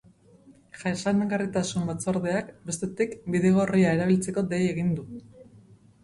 Jasangarritasun batzordeak, bestetik, bidegorria erabiltzeko dei egin du.